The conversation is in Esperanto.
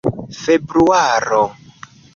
februaro